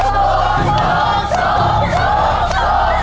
โทษโทษโทษโทษ